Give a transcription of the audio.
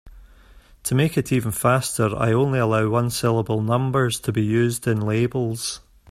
To make it even faster, I only allow one-syllable numbers to be used in labels.